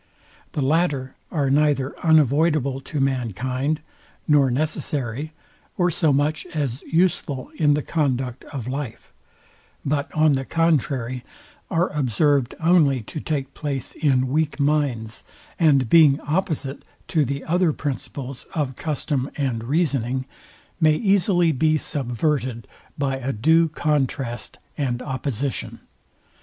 The latter are neither unavoidable to mankind, nor necessary, or so much as useful in the conduct of life; but on the contrary are observed only to take place in weak minds, and being opposite to the other principles of custom and reasoning, may easily be subverted by a due contrast and opposition.